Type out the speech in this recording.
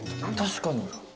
確かに。